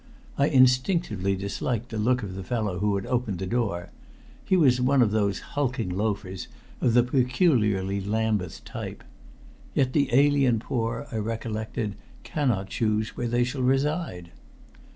I instinctively disliked the look of the fellow who had opened the door. He was one of those hulking loafers of the peculiarly Lambeth type. Yet the alien poor, I recollected, cannot choose where they shall reside.